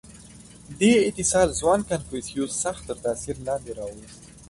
• دې اتصال ځوان کنفوسیوس سخت تر تأثیر لاندې راوست.